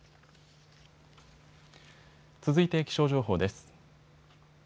続いて気象情報です。